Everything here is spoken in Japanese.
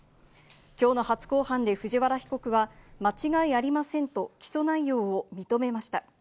きょうの初公判で藤原被告は間違いありませんと起訴内容を認めました。